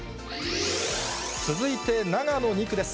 続いて長野２区です。